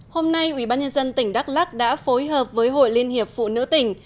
hôm nay ủy ban nhân dân tỉnh đắk lắc đã phối hợp với hội liên hiệp phụ nữ tỉnh